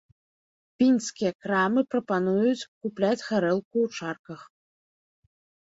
Пінскія крамы прапануюць купляць гарэлку ў чарках.